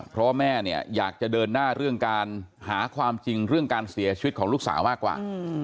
เพราะว่าแม่เนี่ยอยากจะเดินหน้าเรื่องการหาความจริงเรื่องการเสียชีวิตของลูกสาวมากกว่า